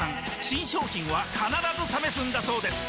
新商品は必ず試すんだそうです